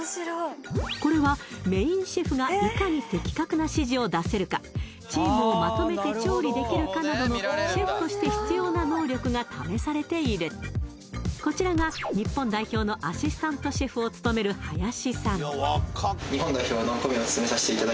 これはメインシェフがいかに的確な指示を出せるかチームをまとめて調理できるかなどのシェフとして必要な能力が試されているこちらが日本代表のアシスタントシェフを務める林さん